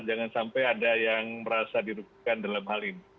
jangan sampai ada yang merasa dirugikan dalam hal ini